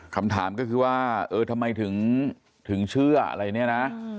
คำถามก็คือว่าเออทำไมถึงเชื่ออะไรเนี่ยนะ